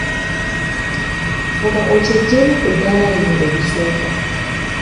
Fuba okyeggyeemu ku ddala lino erisooka.